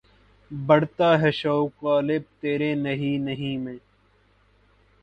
بڑھتا ہے شوق "غالب" تیرے نہیں نہیں میں.